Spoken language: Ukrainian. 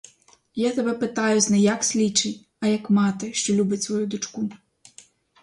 Я тебе питаюсь не як слідчий, а як мати, що любить свою дочку.